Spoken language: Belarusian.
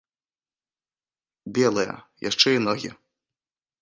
Белыя, яшчэ і ногі.